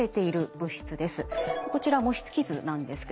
こちら模式図なんですけども。